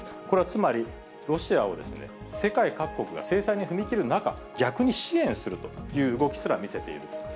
これはつまり、ロシアを世界各国が制裁に踏み切る中、逆に支援するという動きすら見せている。